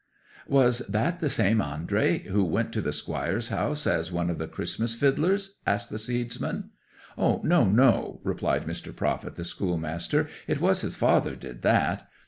'Was that the same Andrey who went to the squire's house as one of the Christmas fiddlers?' asked the seedsman. 'No, no,' replied Mr. Profitt, the schoolmaster. 'It was his father did that.